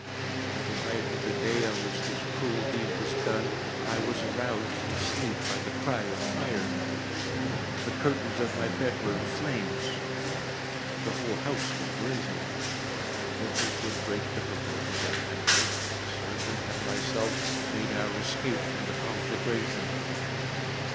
On the night of the day on which this cruel deed was done, I was aroused from sleep by the cry of fire. The curtains of my bed were in flames. The whole house was blazing. It was with great difficulty that my wife, a servant, and myself, made our escape from the conflagration.